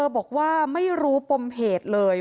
บอกว่าไม่รู้ปมเหตุเลย